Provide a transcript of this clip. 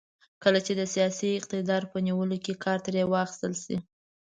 کله چې د سیاسي اقتدار په نیولو کې کار ترې واخیستل شي.